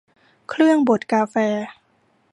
เครื่องบดกาแฟ